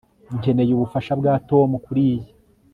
Nkeneye ubufasha bwa Tom kuriyi